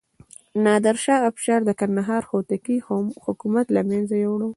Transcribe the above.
نادر شاه افشار د کندهار هوتکي حکومت له منځه یووړ.